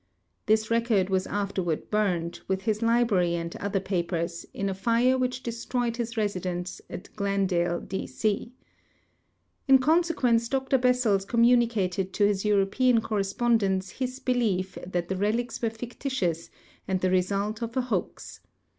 This record was afterward burned, tvith his library and other papers, in a fire which destroyed his residence at Glendale, D. C. In consequence Dr Bessels communicated to his Euro]iean corre spondents his belief that the relics were fictitious and the result of a hoax.